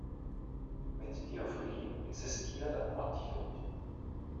Mit Theophyllin existiert ein Antidot.